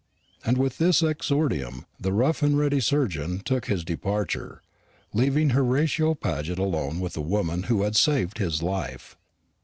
And with this exordium, the rough and ready surgeon took his departure, leaving Horatio Paget alone with the woman who had saved his life.